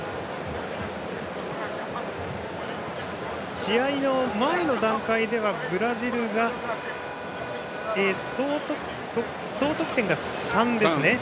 試合の前の段階ではブラジルが総得点が３ですね。